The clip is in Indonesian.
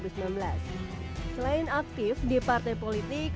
selain aktif di partai politik